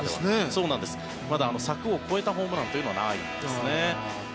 まだ柵を越えたホームランというのはないんですね。